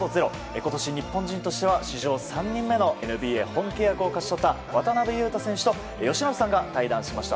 今年日本人としては史上３人目のＮＢＡ本契約を勝ち取った渡邊雄太選手と由伸さんが対談しました。